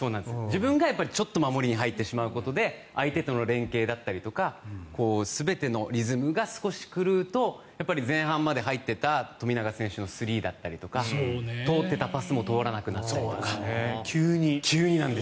自分がちょっと守りに入ることで相手との連係だったりとか全てのリズムが少し狂うと前半まで入っていた富永選手のスリーだったりとか通っていたパスも通らなくなったりとか。